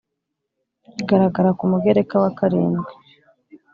igaragara ku Mugereka wa karindwi